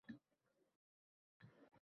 Musobaqada eng saralar g‘olib bo‘ldi